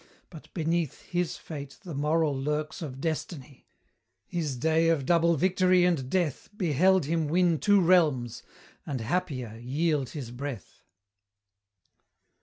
But beneath His fate the moral lurks of destiny; His day of double victory and death Beheld him win two realms, and, happier, yield his breath.